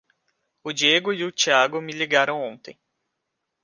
O Diego e o Tiago me ligaram ontem.